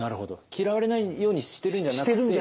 嫌われないようにしてるんじゃなくて。